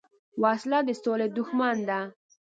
وسله د سولې دښمن ده